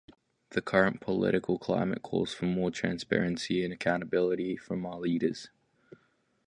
The current political climate calls for more transparency and accountability from our leaders.